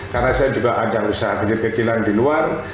karena saya juga ada usaha kecil kecilan di luar